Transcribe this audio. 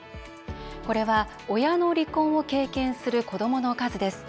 これは、親の離婚を経験する子どもの数です。